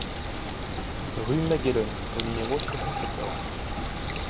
Rue Maguelone au numéro soixante-quatorze